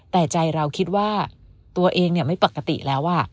แต่ใจเราคิดว่าตัวเองไม่ปกติแล้ว